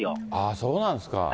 そうなんですか。